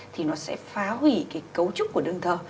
thì nó sẽ phá hủy cái cấu trúc của đường thở